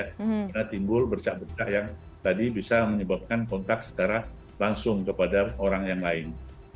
karena timbul bercak bercah yang tadi bisa menyebabkan kontak secara langsung kepada orang yang lain